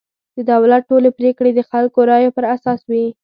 د دولت ټولې پرېکړې د خلکو رایو پر اساس وي.